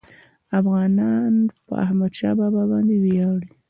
افغانان په احمدشاه بابا باندي ویاړي.